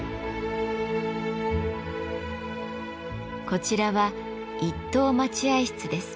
こちらは一等待合室です。